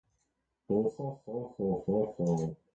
‘A strange man!’ shrieked the lady.